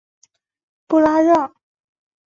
布拉让。